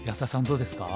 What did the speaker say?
どうですか？